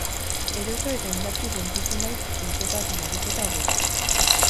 Eroso eta indartsu sentitu naiz zintzotasun ariketa horretan.